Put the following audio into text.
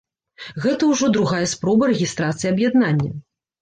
Гэта ўжо другая спроба рэгістрацыі аб'яднання.